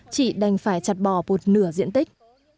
chị đành phải chặt bò một nửa diện tích